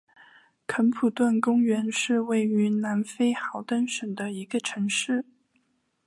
肯普顿公园是位于南非豪登省的一个城市。